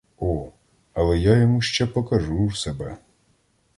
О, але я йому ще покажу себе!